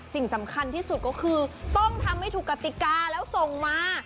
สิ่งสำคัญที่สุดก็คือต้องทำให้ถูกกติกาแล้วส่งมา